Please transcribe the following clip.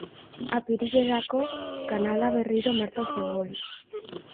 Apirilerako, kanala berriro martxan zegoen.